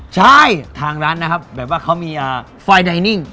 ใช่ทางร้านนะครับเขามีไฟไดนิ่ง